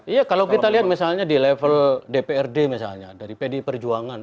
iya kalau kita lihat misalnya di level dprd misalnya dari pdi perjuangan